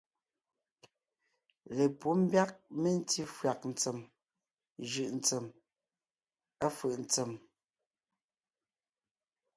Lepǔ ḿbyág mentí fÿàg ntsèm jʉ̀’ ntsѐm, à fʉ̀’ ntsém.